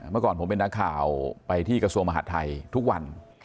เมื่อก่อนผมเป็นนักข่าวไปที่กระทรวงมหาดไทยทุกวัน